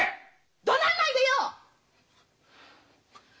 どなんないでよ！